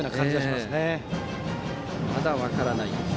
まだ分からないと。